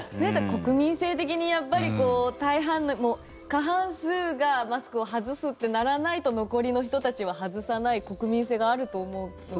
国民性的にやっぱり大半過半数がマスクを外すってならないと残りの人たちは外さない国民性があると思うので。